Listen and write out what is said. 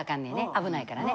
危ないからね。